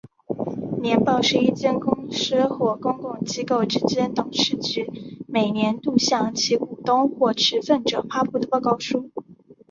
年报是一间公司或公共机构之董事局每年度向其股东或持份者发布的报告书。